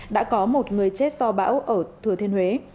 đã có một người chết do bão ở thừa thiên huế